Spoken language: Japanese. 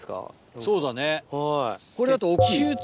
これだと大っきい？